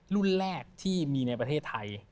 รุ่นแรกที่มีในประเทศไทย